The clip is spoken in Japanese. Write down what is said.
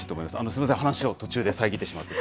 すみません、話を途中で遮ってしまって。